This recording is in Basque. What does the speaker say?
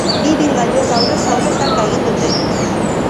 Bi ibilgailuek aurrez aurre talka egin dute.